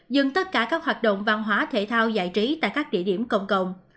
dừng tất cả các hoạt động văn hóa thể thao giải trí tại các địa điểm công cộng